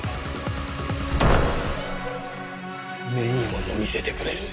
目に物見せてくれる。